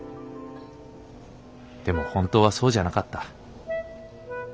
でも本当はそうじゃなかった。